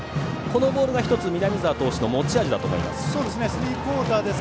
このボールが南澤投手の持ち味だと思います。